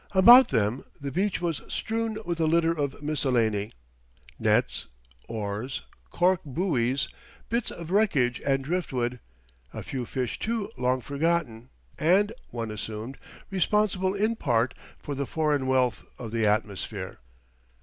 About them the beach was strewn with a litter of miscellany, nets, oars, cork buoys, bits of wreckage and driftwood, a few fish too long forgotten and (one assumed) responsible in part for the foreign wealth of the atmosphere.